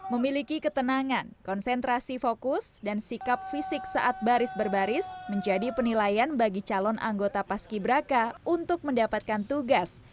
memiliki ketenangan konsentrasi fokus dan sikap fisik saat baris berbaris menjadi penilaian bagi calon anggota paski braka untuk mendapatkan tugas